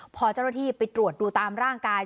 พอเจ้าหน้าที่ไปตรวจดูตามร่างกาย